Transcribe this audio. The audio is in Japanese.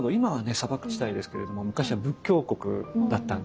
砂漠地帯ですけれども昔は仏教国だったんですね。